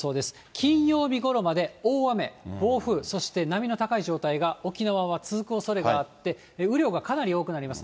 金曜日ごろまで大雨、暴風、そして波の高い状態が沖縄は続くおそれがあって、雨量がかなり多くなります。